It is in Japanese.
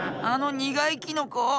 あのにがいキノコ？